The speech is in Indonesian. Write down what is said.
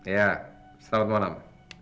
ya selamat malam